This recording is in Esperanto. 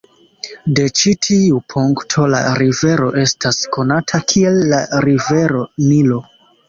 De ĉi tiu punkto la rivero estas konata kiel la Rivero Nilo.